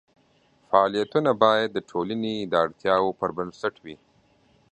فعالیتونه باید د ټولنې د اړتیاوو پر بنسټ وي.